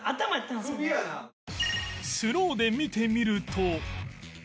スローで見てみると